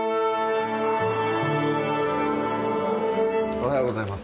おはようございます。